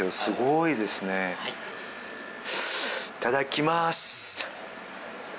いただきます。